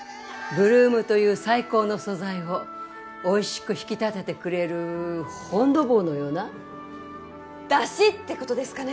８ＬＯＯＭという最高の素材をおいしく引き立ててくれるフォン・ド・ボーのような出汁ってことですかね？